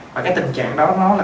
và cái tình trạng đó nó là